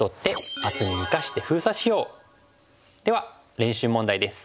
では練習問題です。